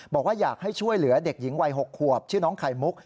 บอกว่าอยากให้ช่วยเหลือเด็กหญิงวัย๖ขวบชื่อน้องไข่มุก